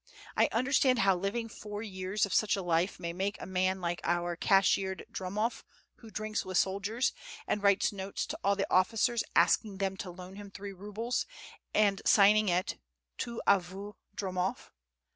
I understand how living four years of such a life may make a man like our cashiered Dromof who drinks with soldiers, and writes notes to all the officers asking them to loan him three rubles, and signing it, TOUT A VOUS, DROMOF.